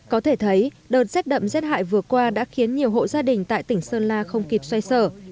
có thể thấy đợt rét đậm rét hại vừa qua đã khiến nhiều hộ gia đình tại tỉnh sơn la không kịp xoay sở